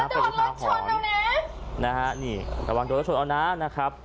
ก็โดนรถชนวะนะนะครับนี่ระวังโดนรถชนวะนะนะครับ